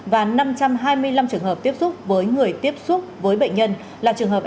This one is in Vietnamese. và năm trăm hai mươi năm trường hợp tiếp xúc với người tiếp xúc với bệnh nhân là trường hợp